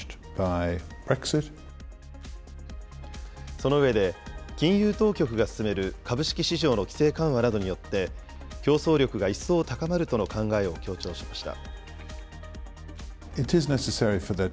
その上で、金融当局が進める株式市場の規制緩和などによって、競争力が一層高まるとの考えを強調しました。